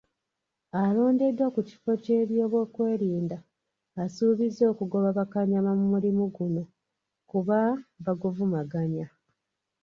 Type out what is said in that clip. Alondeddwa ku kifo ky’ebyokwerinda, asuubizza okugoba bakanyama mu mulimu guno kuba baguvumaganya.